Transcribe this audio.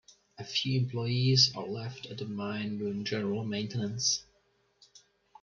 A few employees are left at the mine doing general maintenance.